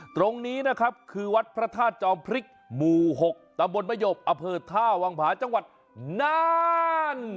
ตรงนี้นะครับคือวัดพระธาตุจอมพริกหมู่๖ตำบลมะหยบอเภอท่าวังผาจังหวัดนาน